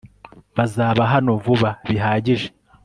bazaba hano vuba bihagije